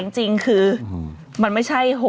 จริงคือมันไม่ใช่๖๖